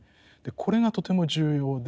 これがとても重要で。